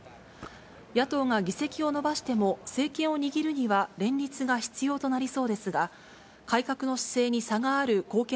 野党が議席を伸ばしても、政権を握るには連立が必要となりそうですが、改革の姿勢に差がある貢献